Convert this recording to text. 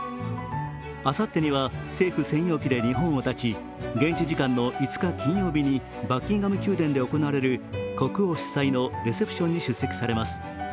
あさってには、政府専用機で日本をたち、現地時間の５日金曜日にバッキンガム宮殿で行われる国王主催のレセプションに出席されます。